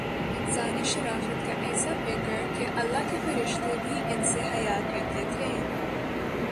انسانی شرافت کاایسا پیکرکہ اللہ کے فرشتے بھی ان سے حیا کرتے تھے۔